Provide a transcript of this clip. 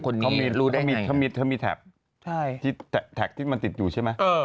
คนนี้รู้ได้ไงเขามีเขามีใช่ที่ที่มันติดอยู่ใช่ไหมเออ